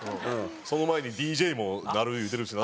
その前にＤＪにもなる言うてるしな。